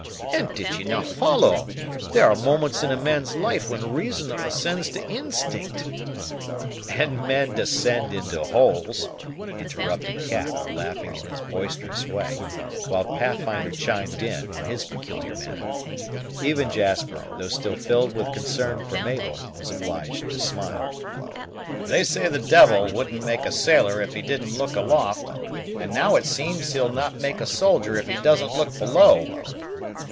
"And did ye no' follow? There are moments in a man's life when reason ascends to instinct " "And men descend into holes," interrupted Cap, laughing in his boisterous way, while Pathfinder chimed in, in his peculiar manner. Even Jasper, though still filled with concern for Mabel, was obliged to smile. "They say the d l wouldn't make a sailor if he didn't look aloft; and now it seems he'll not make a soldier if he doesn't look below!"